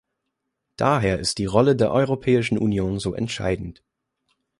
Daher ist die Rolle der Europäischen Union so entscheidend.